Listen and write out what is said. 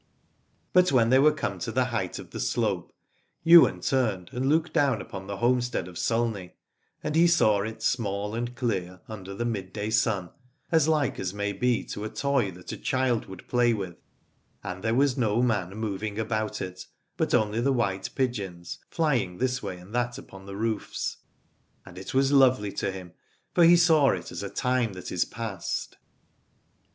But when they were come to the height of the slope, Ywain turned and looked down upon the homestead of Sulney, and he saw 8 Aladore it small and clear under the midday sun, as like as may be to a toy that a child would play with : and there was no man moving about it, but only the white pigeons flying this way and that upon the roofs. And it was lovely to him, for he saw it as a time that is past.